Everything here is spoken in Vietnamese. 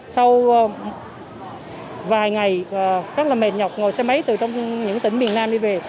sau vài ngày rất là mệt nhọc ngồi xe máy từ trong những tỉnh miền nam đi về